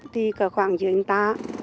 thì còn khoảng giữa người ta